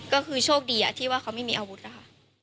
ก็คือโชคดีที่ว่าเขาไม่มีอาวุธนะคะ